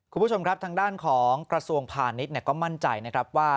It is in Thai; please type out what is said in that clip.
คุณผู้ชมครับทางด้านของกระทรวงพาณิชย์ก็มั่นใจนะครับว่า